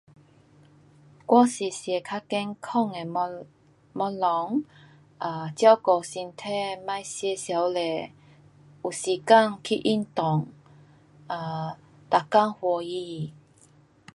我是吃较健康的东，东西，照顾身体，别吃太多，有时间去运动，um 每天欢喜。